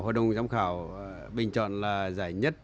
hội đồng giám khảo bình chọn là giải nhất